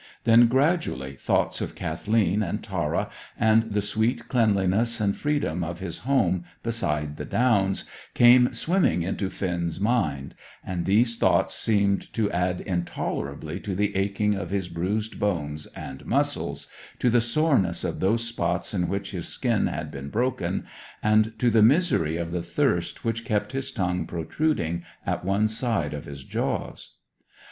Then, gradually, thoughts of Kathleen and Tara, and the sweet cleanliness and freedom of his home beside the Downs, came swimming into Finn's mind, and these thoughts seemed to add intolerably to the aching of his bruised bones and muscles, to the soreness of those spots in which his skin had been broken, and to the misery of the thirst which kept his tongue protruding at one side of his jaws.